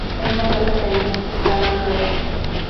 Es una planta perenne, postrada, glabra a escabrosa.